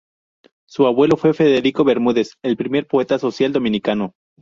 Su abuelo fue Federico Bermúdez, el primer poeta social dominicano.